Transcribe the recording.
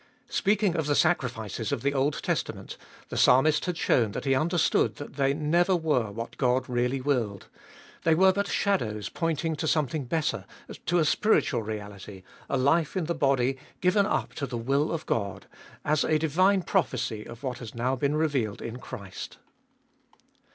Speaking of the sacrifices of the Old Testament, the Psalmist had shown that he understood that they never were what God really willed : they were but the shadows point ing to something better, to a spiritual reality, a life in the body given up to the will of God, as a divine prophecy of what has now been revealed in Christ.